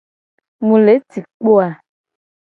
Mu le ci kpo a?